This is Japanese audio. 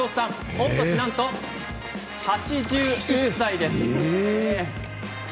御年なんと８１歳。